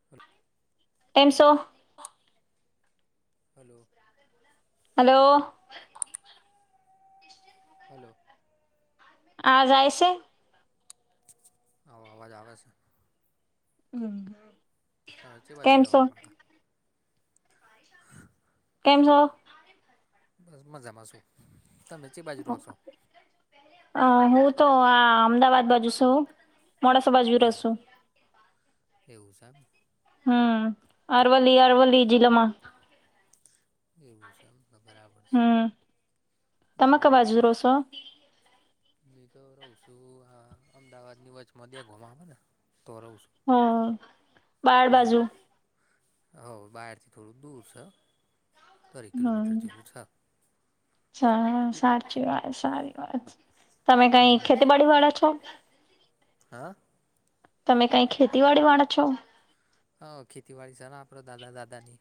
[unintelligible] [inaudible] એમસો hello hello hello આ જાય છે. આવ આવાજ આવે છે. હમ્મ તજ બાજુ આવ વારવા [inaudible] [unintelligible] કેમ છો બસ મજામાં શું તમેચી બાજુ રહો છો. અ હું તો આ અમદાવાદ બાજુ છું, મોડાસા બાજુ ર એવું શું એવું છે ને હમ્મ અરવલ્લી અરવલ્લી જિલ્લામાં એવુંષમને બરાબર છે તમ‌ બીજું કય બાજુ રોસો હ તો રહું છું આ અમદાવાદ ની વચમાં દ્યા ગુમાવા ને તો રહવું છું હમ બાર બાજુ હ બહારથી થોડું દૂર છે. દોઢેક હમ કિલોમીટર જેવું છે સાચી વાત સારી વાત તમે કઈ ખેતીબડી [unintelligible] વાળા છો? હા. તમે કઈ ખેતીવાડી વાળો છો? હા ખેતીવાડી છે ને આપણા દાદા દાદાની.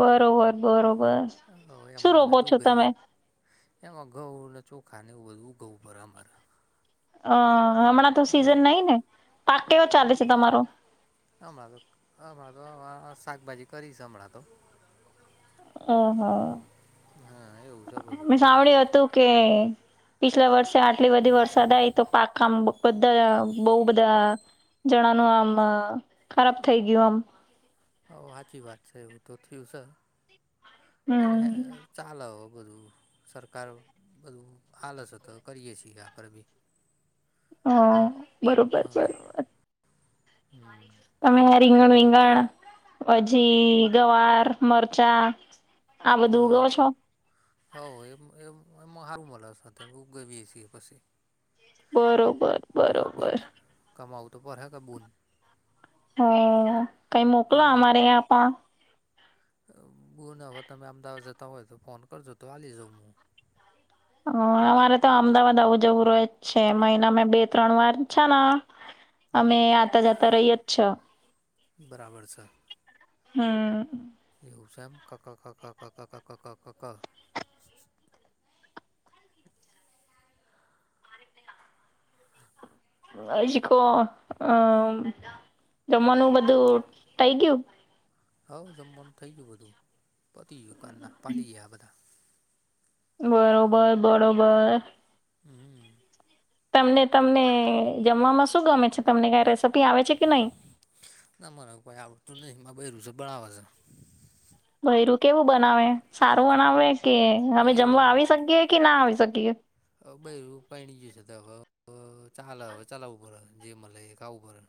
બરોબર બરોબર. હવે શું મોંને રોપો તું છો તમે કરીયે એમાં ઘઉં અને ચોખાને એવું બધું ઘઉં ભરવુ મારે હ હમણાં તો સીઝન આમ નહી ને પાક કેવો ચાલે છે તમારો? હમણાં તો હમણાં તો હ શાકભાજી કરીશ હમણાં તો ઓહો હા એવું છે બધું પણ. ઓકે. પીછલા વર્ષે આટલી બધી વરસાદ આવી તો પાક આમ બધા બહુ બધા જણાનું આમ ખરાબ થઇ ગયું આમ હો સાચી વાત છે એવું તો થિવ સ. આમ હમ ચાલો બધું સરકાર બધું આલસ તો કરીએ છીએ આપણે બી [inaudible] [unintelligible] હા બરોબર હા બરો હમ. તમે રીંગણ -વિગણ પછી ગવાર, મરચાં આ બધું ઊગવો છો? હોવે એમ એમ એમાં સારું મળે છે સાથે બી પણ ઉગ વીએ છીએ પછી બરોબર બરોબર. કમાઉ તો પડે ને બોન હ કઈ મોકલા અમારે આ પા બુન હવે તમે અમદાવાદ જતા હોય તો ફોન કરજો તો હાલી જઉ હું. હ અમારે તો અમદાવાદ આવું જવું રહ્યું જ છે મહિનામાંં બે ત્રણ વાર છે ને [unintelligible] [inaudible] [unintelligible] અમે આતા જતા રહીએ છ. બરાબર સે. હમ. એ હુંસામ કાકા કાકા કાકા કા ક ક કકા [unintelligible] [inaudible] [inaudible] [inaudible] જી કો અ જમવાનું બધું થઈ ગયું? હઉ જમવાનું થઈ ગયું બધું પતીયું કાનના પાલી ગયા બધા બરોબર બરોબર. હમ. તમને તમને જમવામાં શું ગમે છે તમને કાંઈ રેસીપી આવે છે કે નહીં? ના મરે કોઈ આવડતું નહીં મારું બૈરું છે બનાવે છે. બૈરું કેવું બનાવે સારું બનાવે કે અમે બૈરું જમવા આવી શકીએ કે ના આવી શકીએ? હ બૈરું પાયણી ગયું છે તો હાલ ચાલઉ પડે જે મળે એ ખાવું પડે. હ.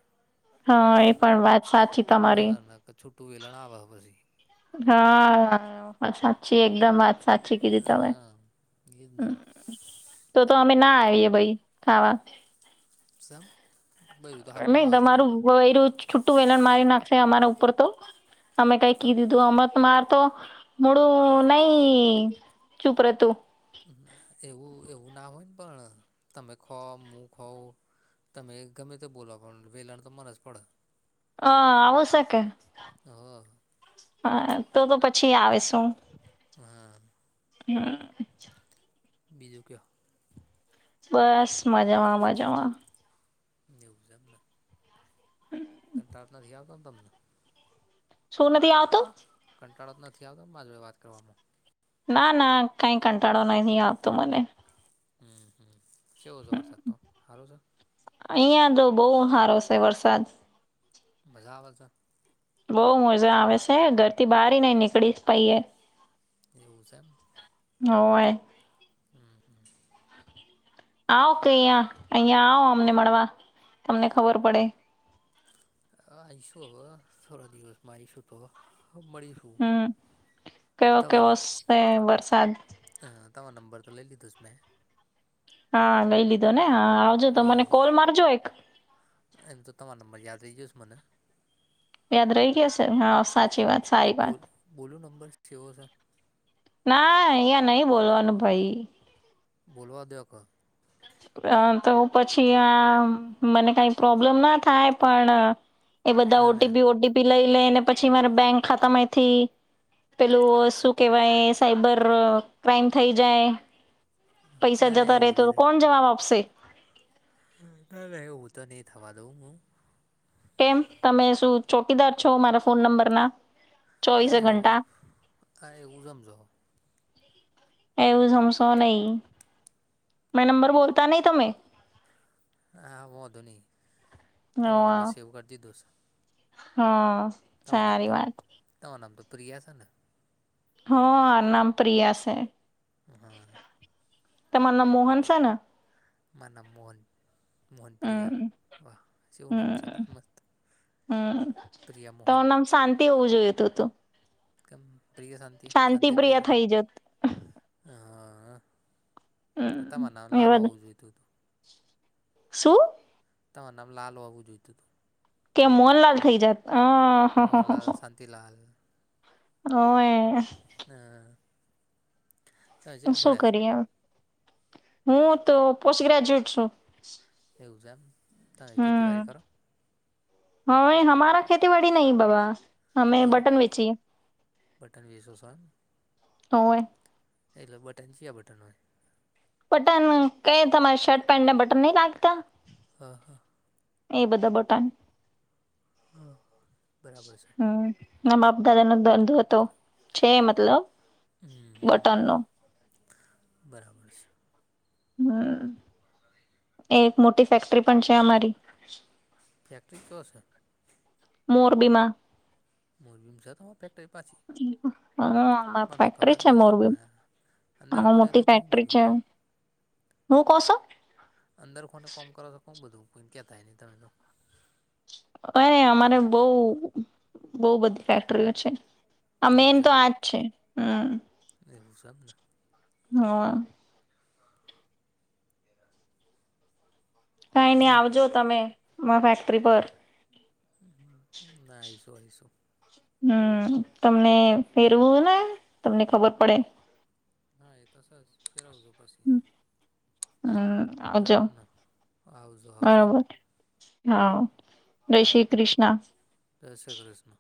હા એ પણ વાત સાચી તમારી. તો છુટું વેલણ આવ પછી હા સાચી એકદમ સાચું કીધી તમેય હા એ જ હ ને તો તો અમે ના આવીએ ભાઈ ખાવા સામ બજું તો સારું બનાવવા છે તો વેરું છુટું વેલણ મારી નાખશે અમારા ઉપર તો અમે કઈ તમ કી દીધું તું હમત મારતો મડું નહી ચુપ રે તુ એવું એવું ના હોય ને પણ તમે ખાઉ હું ખાઉ તમે ગમે તે બોલો પણ વેલાણ તો મરે જ પડે હ આવું શકે હ હા તો તો પછી આવે શું હા. હા. બીજું કયો બસ મજામાં મજામાં નેવજામના હમ. ક તાત નથી આવતો ને તમને શું નથી આવતું. કંટાળો જ નથી આવતો મા જોડે વાત કરવામાં ના ના કઈ કંટાળો નથી આવતો મને હમ હમ શવું છે વરસાદ તો સારું છે. અહિયાં તો બહુ સારો છે વરસાદ બજ આવત. બહુ મજા આવે છે ઘરથી બહાર નઈ નીકળી પાઈએ એવું છે એમ હય હમ હમ. આવ કે અહં અહં આવ અમને મળવા તમને ખબર પડે આઈશુ હ થોડા દિવસમાં આઈશુ તો મળી હમ કેવો કેવો છે વરસાદ હ તોવા નંબર તો લઈ લ લો ત મેં હા લઈ લીધો ને આવજો તો મને હા કોલ મારજો એક એમ તો તમારા નંબર યાદ રહી જશ મને યાદ રહી ગયા હ છે હા સાચી વાત સારી વાત બોલો નંબર છ ઓ સર ના અહીંયા નહી બોલવાનું ભાઈ બોલવા દક અ તો પછી આ મને કઈ પ્રોબ્લેમ ના થાય પણ એ બધા ના ના ઓટીપી ઓટીપી લઈ લે ને પછી મારે બેંક ખાતામાંથી પેલું શું કહેવાય સાયબર ક્રાાઈમ થઈ જાય પૈસા ના ના જતા એવું રહેતો તો લીધે કોણ જવાબ આપશે ના ના એવું તો નહી થવા દઉં હું. કેમ તમે શું ચોકીદાર છો મારા ફોન નંબર ના. એવું હ એવું રમજો એવું જમશો નહી મેં નંબર બોલતા નહીિ તમે હા મોોધની તમારા હ નંબર સેવ કરી દી દો સર હા તમારું નામ સારી તો વાત ત નામ તો પ્રિયા છેને હ આ નામ પ્રિયા છે હા તમાર નામ મોહન છે ને મા નામ મોહન હમ મોહનપ્રિયા વાહ એ ઉના હમ છેને એ મસ્ત હમ પ્રિયા મોહન તોનેમ શાંતિ હોવું જોયું તું તું કે પ્રિય શાંતિ શાંતિ પ્રિય પ્રિયા થઈ જત હા તમાર નામ હમ લાલ એવા હોવું જોઈતું હતું શું ત નામ લાલ વાવું જોઈતું હતું કે મોહનલાલ થઇ જાત હા. મોહનલાલ શાંતિલાલ [unintelligible] હા. તમે તો કેટલું શું ભણ્યા છો કરી હવે. હું તો પોસ્ટ ગ્રેજ્યુએટ સું. એવું છે એમ. તાય હમ ખેતીવાડી કરો? હવે હમારા ખેતીવાડી નહીં બાબા. હમે તો બટન વેચીએ, બટન વેચો છો એમ હોવે. એટલે બટન, ચ્યાં બટન હોય? બટન કે તમારે શર્ટ પેન્ટને બટન નહીં લાગતા. હા, હા. એ બધા બટન. હા બરાબર છે હમ્મ. મા બાપદાદા નો ધંધો હતો, છે મતલબ હમ હમ બટન નો. બરાબર છે. હમ્મ. એક મોટી ફેક્ટરી પણ છે અમારી. ફેક્ટરી તો છે મોરબીમાં. મોરબીમાં છે તો હા, માર મને તો ખબર ફેક્ટરી છે નહીં મોરબીમ. કોઈ અંદર આમાં ખોને તો મોટી કહું ફેક્ટરી બધું છે. કોમ હું કો છો? અંદર કોને કોમ કરો તો બધું કોઈ ક્યાં થાય નહી તમે તો. અરે અમારે બહુ બહુ બધી ફેક્ટરીઓ છે. આ મેન તો આજ છે હમ્મ. એવું સે એમ ને. હા. કાઈ નહી આવજો તમે માર ફેક્ટરી પર. હમ્મ હમ્મ ના આઈશું આઈશું. હમ્મ તમને પેરવું ને તમને ખબર પડે. હા એ છેજ. ફેરાવજો પછી. હમ આવજો બરાબર ના આવજો આવજો. બરોબર હા, જય હા શ્રી કૃષ્ણા. જય શ્રી કૃષ્ણ.